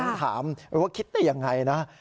ถามว่าคิดได้ยังไงนะ